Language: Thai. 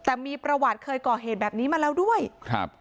แต่มีประวัติเคยก่อเหตุแบบนี้มาแล้วด้วยครับ